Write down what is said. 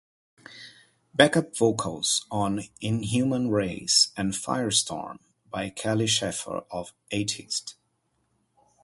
Back-up vocals on "Inhuman Race" and "Firestorm" by Kelly Schaefer of Atheist.